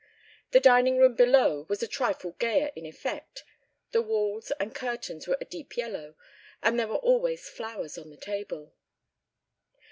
The dining room below was a trifle gayer in effect; the walls and curtains were a deep yellow and there were always flowers on the table.